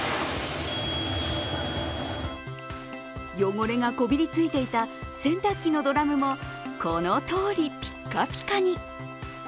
汚れがこびりついていた洗濯機のドラムもこのとおりピカピカに。